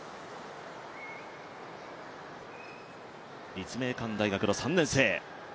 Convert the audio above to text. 立命館大学の３年生。